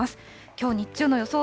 きょう日中の予想